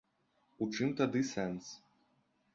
У чым тады сэнс?